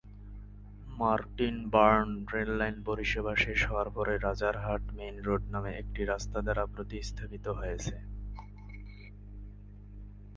Martin Burn rail line পরিষেবা শেষ হওয়ার পরে রাজারহাট মেইন রোড নামে একটি রাস্তা দ্বারা প্রতিস্থাপিত হয়েছে।